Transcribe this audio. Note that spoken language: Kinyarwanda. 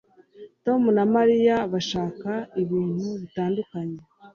Tom na Mariya bashaka ibintu bitandukanye